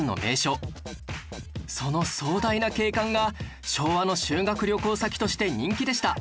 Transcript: その壮大な景観が昭和の修学旅行先として人気でした